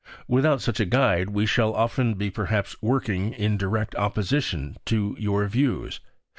Without such a guide we shall often be perhaps working in direct opposition to your views.